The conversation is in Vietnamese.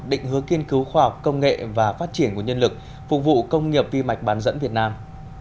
định hứa kiên cứu khoa học công nghệ và phát triển nguồn nhân lực phục vụ công nghiệp vi mạch bán dẫn việt nam